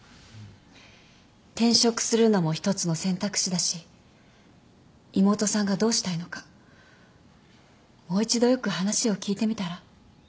転職するのも一つの選択肢だし妹さんがどうしたいのかもう一度よく話を聞いてみたら？